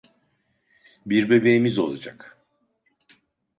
Bir bebeğimiz olacak.